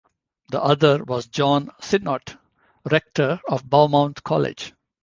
The other was John Sinnott, rector of Beaumont College.